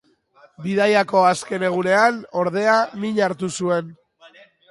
Bidaiako azken egunean, ordea, min hartu zuen.